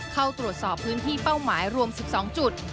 เข้าตรวจสอบพื้นที่เป้าหมายรวม๑๒จุด